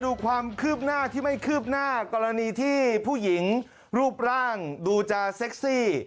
ดูความคืบหน้าที่ไม่คืบหน้ากรณีที่ผู้หญิงรูปร่างดูจะเซ็กซี่